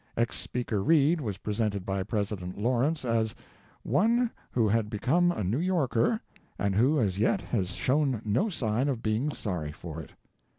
Ex Speaker Reed was presented by President Lawrence as "one who had become a New Yorker and who as yet has shown no sign of being sorry for it."